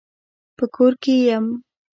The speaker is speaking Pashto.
په کور کي يم .